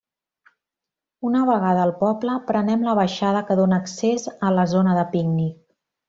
Una vegada al poble, prenem la baixada que dóna accés a la zona de pícnic.